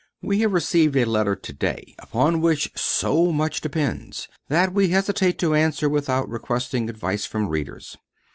We have received a letter to day upon which so much depends that we hesitate to answer without requesting advice from readers.